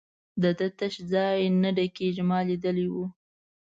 د ده تش ځای نه ډکېږي، ما لیدلی وو.